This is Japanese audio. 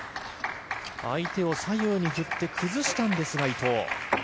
相手を左右に振って崩したんですが伊藤。